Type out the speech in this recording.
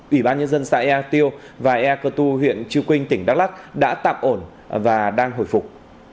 ủy ban nhân dân xã ea tiêu và ea cơ tu huyện chư quynh tỉnh đắk lắc đã tạm ổn và đang hồi phục